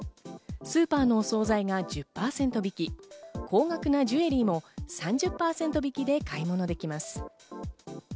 スーパーのお惣菜が１０％引き、高額なジュエリーも３０％引きで買い物できます。